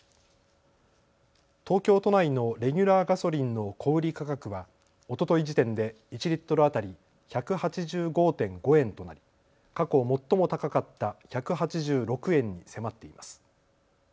東京都内のレギュラーガソリンの小売価格はおととい時点で１リットル当たり１８５．５円となり、過去最も高かった１８６円に迫っています。